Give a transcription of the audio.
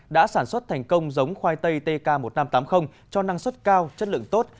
đã sản xuất thành công giống khoai tây tk một nghìn năm trăm tám mươi cho năng suất cao chất lượng tốt